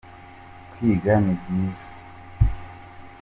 kwiga nibyiza